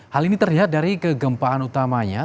hal ini terlihat dari kegempaan utamanya